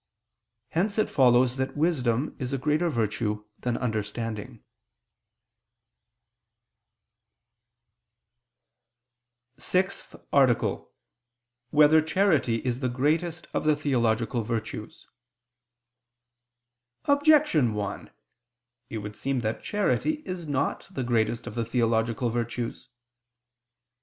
Hence it follows that wisdom is a greater virtue than understanding. ________________________ SIXTH ARTICLE [I II, Q. 66, Art. 6] Whether Charity Is the Greatest of the Theological Virtues? Objection 1: It would seem that charity is not the greatest of the theological virtues.